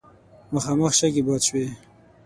مخامخ شګې باد شوې.